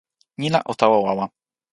ni la o tawa wawa.